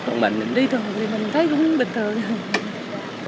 còn mình đi thường thì mình thấy cũng bình thường